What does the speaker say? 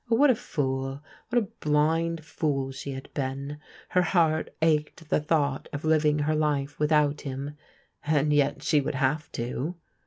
Ob, what a fool, what a Mind fool sfae bad been! Her heart ached at the thoogfat of firii^ ber life witbont bim; and yet she would have to.